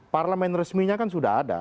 parlemen resminya kan sudah ada